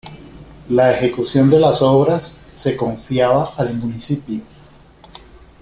La ejecución de las obras se confiaba al Municipio.